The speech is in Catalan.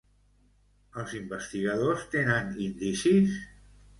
Els investigadors tenen indicis?